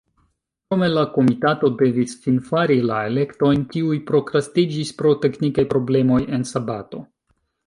Krome la komitato devis finfari la elektojn, kiuj prokrastiĝis pro teknikaj problemoj en sabato.